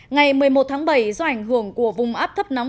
ngày một mươi một tháng bảy do ảnh hưởng của vùng áp thấp nóng